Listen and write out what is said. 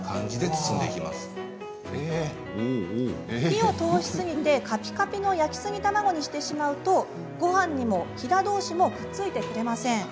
火を通しすぎて、かぴかぴの焼きすぎ卵にしてしまうとごはんにも、ひだどうしもくっついてくれません。